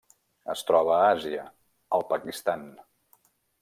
Es troba a Àsia: el Pakistan.